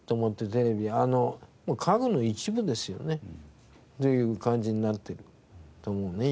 家具の一部ですよねという感じになってると思うのね